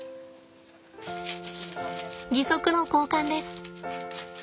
義足の交換です。